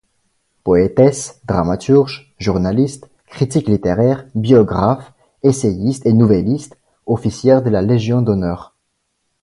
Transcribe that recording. Poétesse, dramaturge, journaliste, critique littéraire, biographe, essayiste et nouvelliste, officière de la Légion d'honneur.